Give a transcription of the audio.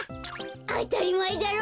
あたりまえだろ。